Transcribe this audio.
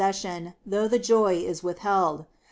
441 sion/ though the joy is withheld.